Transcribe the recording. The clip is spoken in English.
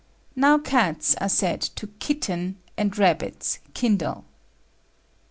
Now cats are said to kitten, and rabbits kindle.